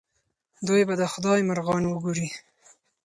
دوی به د خدای مرغان وګوري.